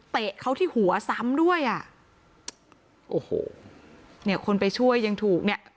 เตะเขาที่หัวซ้ำด้วยอ่ะโอ้โหเนี่ยคนไปช่วยยังถูกเนี่ย